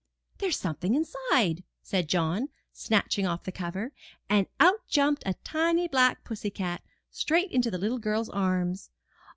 '^There's something inside," said John, snatching off the cover, and out jumped a tiny black pussy cat, straight into the little girl's arms.